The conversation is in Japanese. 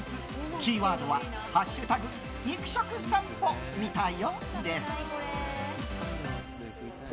キーワードは「＃肉食さんぽ見たよ」。